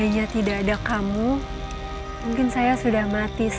nyai gak akan tahu